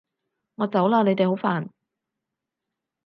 我走喇！你哋好煩